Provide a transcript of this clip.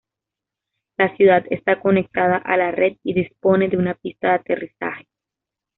La ciudad está conectada a la red y dispone de una pista de aterrizaje.